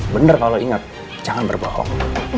bener kalau inget jangan berbohong